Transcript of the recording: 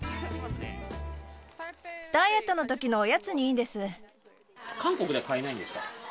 ダイエットのときのおやつに韓国では買えないんですか？